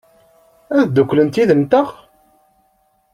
Ad dduklent yid-nteɣ?